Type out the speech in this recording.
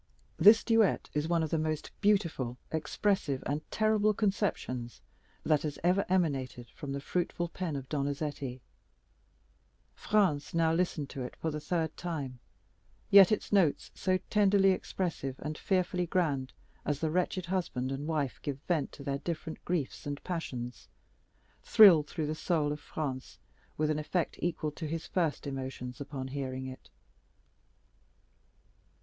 This duet is one of the most beautiful, expressive and terrible conceptions that has ever emanated from the fruitful pen of Donizetti. Franz now listened to it for the third time; yet its notes, so tenderly expressive and fearfully grand as the wretched husband and wife give vent to their different griefs and passions, thrilled through the soul of Franz with an effect equal to his first emotions upon hearing it.